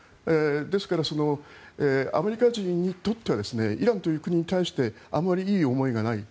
ですからアメリカ人にとってはイランという国に対してあまりいい思いがない。